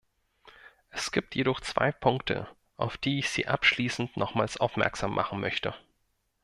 Es gibt jedoch zwei Punkte, auf die ich Sie abschließend nochmals aufmerksam machen möchte.